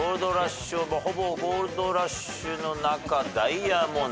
ほぼ「ゴールドラッシュ」の中「ダイヤモンド」？